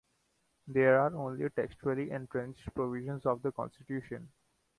These are the only textually entrenched provisions of the Constitution.